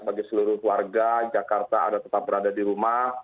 sebagai seluruh warga jakarta tetap berada di rumah